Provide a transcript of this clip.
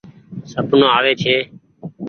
سپنو آوي ڇي۔